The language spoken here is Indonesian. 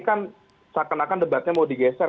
karena ini kan seakan akan debatnya mau digeser